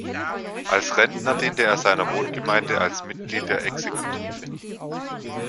Als Rentner diente er seiner Wohngemeinde als Mitglied der Exekutive.